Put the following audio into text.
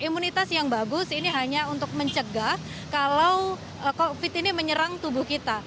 imunitas yang bagus ini hanya untuk mencegah kalau covid ini menyerang tubuh kita